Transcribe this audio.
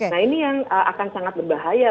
nah ini yang akan sangat berbahaya